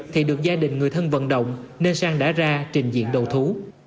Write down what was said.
thì được gia đình người thân vận động nên sang đã ra trình diện đầu thú